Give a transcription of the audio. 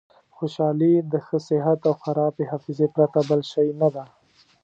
خوشحالي د ښه صحت او خرابې حافظې پرته بل شی نه ده.